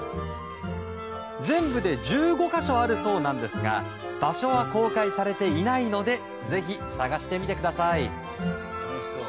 全部で１５か所あるそうなんですが場所は公開されていないのでぜひ探してみてください。